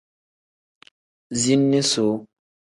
Ziini suu.